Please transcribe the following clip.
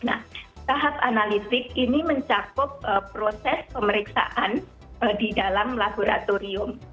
nah tahap analistik ini mencakup proses pemeriksaan di dalam laboratorium